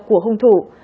của hung thủ